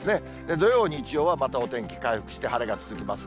土曜、日曜はまたお天気回復して、晴れが続きます。